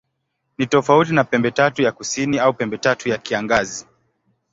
Ni tofauti na Pembetatu ya Kusini au Pembetatu ya Kiangazi.